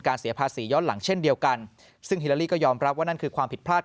เสียภาษีย้อนหลังเช่นเดียวกันซึ่งฮิลาลีก็ยอมรับว่านั่นคือความผิดพลาด